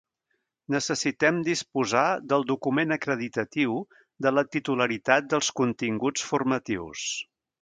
Necessitem disposar del document acreditatiu de la titularitat dels continguts formatius.